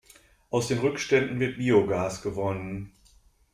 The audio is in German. Aus den Rückständen wird Biogas gewonnen.